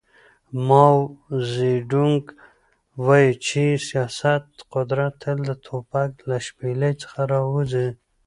ماو زیډونګ وایي چې سیاسي قدرت تل د ټوپک له شپېلۍ څخه راوځي.